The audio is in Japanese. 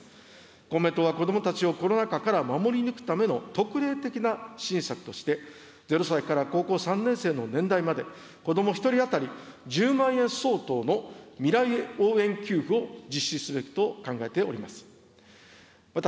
公明党は子どもたちをコロナ禍から守り抜くための特例的な支援策として、０歳から高校３年生の年代まで、子ども１人当たり１０万円相当の未来応援給付を実施すべきと考えております。